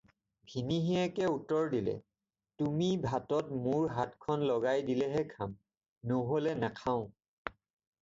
"ভিনীহিয়েকে উত্তৰ দিলে, "তুমি ভাতত মোৰ হাতখন লগাই দিলেহে খাম, নহ'লে নাখাওঁ।"